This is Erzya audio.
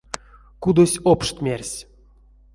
Кудось општ мерсь.